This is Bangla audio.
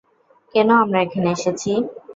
কেন আমরা এখানে এসেছি?